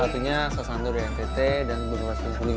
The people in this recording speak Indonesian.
maksudnya soesanto dari ntt dan bunga rasul kuling